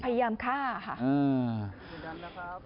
พยายามฆ่าค่ะ